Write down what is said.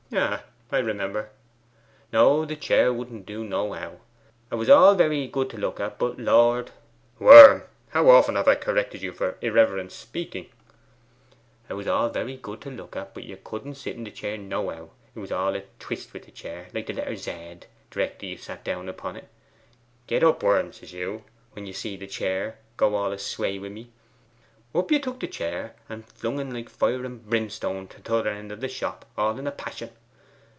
'Ah, I remember.' 'No; the chair wouldn't do nohow. 'A was very well to look at; but, Lord! ' 'Worm, how often have I corrected you for irreverent speaking?' ' 'A was very well to look at, but you couldn't sit in the chair nohow. 'Twas all a twist wi' the chair, like the letter Z, directly you sat down upon the chair. "Get up, Worm," says you, when you seed the chair go all a sway wi' me. Up you took the chair, and flung en like fire and brimstone to t'other end of your shop all in a passion.